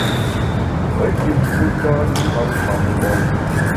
Me kit fu tâ te lam lam mgbom.